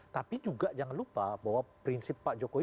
tapi juga jangan lupa bahwa prinsip pak jokowi